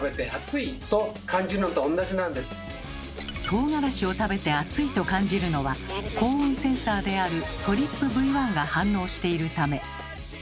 トウガラシを食べて「熱い」と感じるのは高温センサーである「ＴＲＰＶ１」が反応しているため。